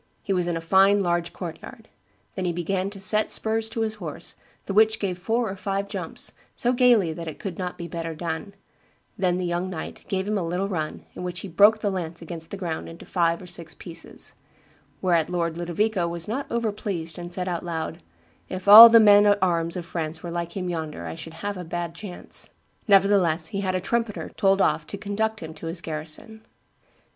He was in a fine large court yard; then he began to set spurs to his horse, the which gave four or five jumps, so gayly that it could not be better done; then the young knight gave him a little run, in the which he broke the lance against the ground into five or six pieces; whereat Lord Ludovico was not over pleased, and said out loud, 'If all the men at arms of France were like him yonder, I should have a bad chance.' Nevertheless he had a trumpeter told off to conduct him to his garrison."